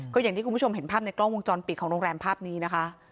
ก็อย่างที่คุณผู้ชมเห็นภาพในกล้องวงจรปิดของโรงแรมภาพนี้นะคะ